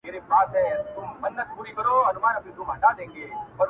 • گوره په ما باندي ده څومره خپه.